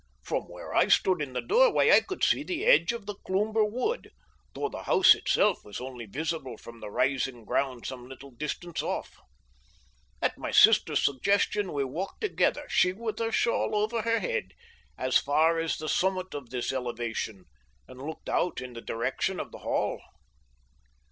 From where I stood in the doorway I could see the edge of the Cloomber wood, though the house itself was only visible from the rising ground some little distance off. At my sister's suggestion we walked together, she with her shawl over her head, as far as the summit of this elevation, and looked out in the direction of the Hall.